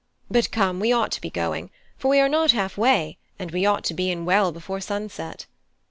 But, come, we ought to be going; for we are not half way, and we ought to be in well before sunset."